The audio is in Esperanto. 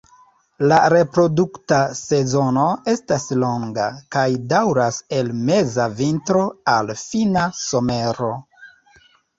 La reprodukta sezono estas longa, kaj daŭras el meza vintro al fina somero.